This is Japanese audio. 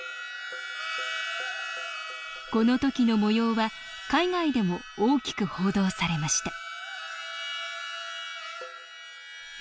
この時のもようは海外でも大きく報道されました